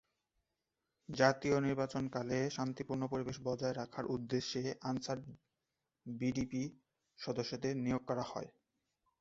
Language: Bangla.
জাতীয় নির্বাচনকালে শান্তিপূর্ণ পরিবেশ বজায় রাখার উদ্দেশ্যে আনসার-ভিডিপি সদস্যদের নিয়োগ করা হয়।